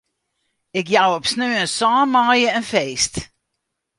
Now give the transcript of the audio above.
Ik jou op sneon sân maaie in feest.